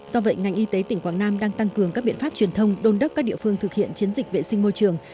do vậy ngành y tế tỉnh quảng nam đang tăng cường các biện pháp truyền thông đôn đốc các địa phương thực hiện chiến dịch vệ sinh môi trường